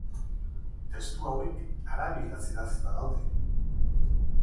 Testu hauek arabieraz idatzita daude.